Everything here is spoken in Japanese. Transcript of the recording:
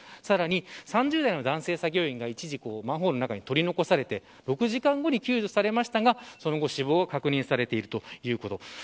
３０代の男性作業員が一時、取り残されて６時間後に救助されましたがその後、死亡が確認されているということ。